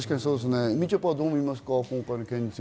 みちょぱは、どう思いますか？